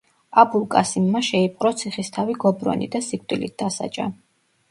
აბულ კასიმმა შეიპყრო ციხისთავი გობრონი და სიკვდილით დასაჯა.